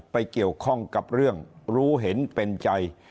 ไปเกี่ยวข้องกับเรื่องรู้เห็นเป็นใจ